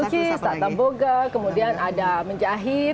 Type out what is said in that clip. melukis tak tamboga kemudian ada menjahit